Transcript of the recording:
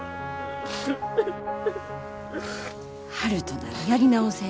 悠人ならやり直せる。